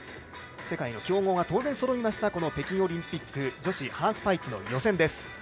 世界の強豪がそろいました北京オリンピック女子ハーフパイプの予選です。